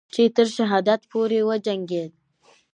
چې تر شهادت پورې وجنگید